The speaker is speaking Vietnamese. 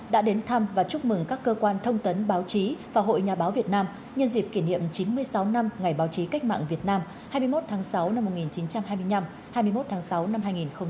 đã đến thăm và chúc mừng các cơ quan thông tấn báo chí và hội nhà báo việt nam nhân dịp kỷ niệm chín mươi sáu năm ngày báo chí cách mạng việt nam hai mươi một tháng sáu năm một nghìn chín trăm hai mươi năm hai mươi một tháng sáu năm hai nghìn hai mươi